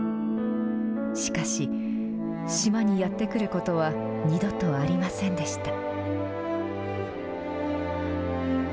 しかし、島にやって来ることは二度とありませんでした。